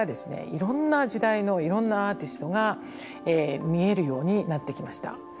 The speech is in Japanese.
いろんな時代のいろんなアーティストが見えるようになってきました。